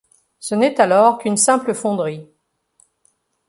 Ce n’est alors qu’une simple fonderie.